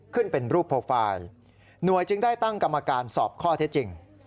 ขึ้นเป็นรูปโปรไฟล์หน่วยจึงได้ตั้งกรรมการสอบข้อเท็จจริง